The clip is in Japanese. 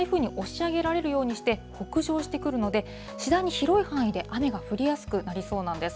この前線が台風に押し上げられるようにして、北上してくるので、次第に広い範囲で雨が降りやすくなりそうなんです。